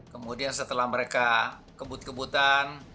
kemudian setelah mereka kebut kebutan